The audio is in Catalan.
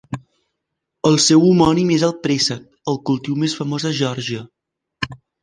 El seu homònim és el préssec, el cultiu més famós de Geòrgia.